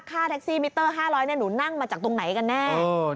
ค่าแท็กซี่มิเตอร์๕๐๐หนูนั่งมาจากตรงไหนกันแน่